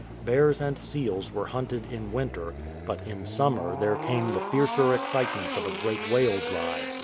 Bears and seals were hunted in winter, but in summer there came the fiercer excitements of a great whale drive.